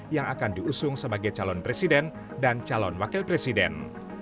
yang akan diusung sebagai calon presiden dan calon wakil presiden